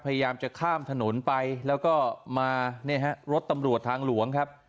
พยายามจะข้ามถนนไปแล้วก็มาเนี่ยฮะรถตำรวจทางหลวงครับ